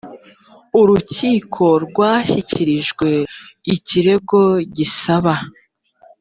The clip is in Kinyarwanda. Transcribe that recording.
urukiko rwashyikirijwe ikirego gisaba